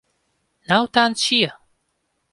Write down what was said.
ناوتان چییە؟